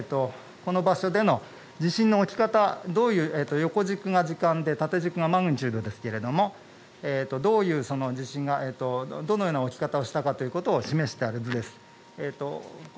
この場所での地震の起き方横軸が時間で縦軸がマグニチュードですけどどういう地震が、どのような起き方をしたかということを示してある図です。